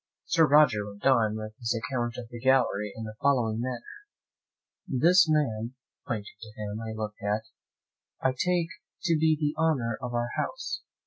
Sir Roger went on with his account of the gallery in the following manner. "This man (pointing to him I looked at) I take to be the honour of our house.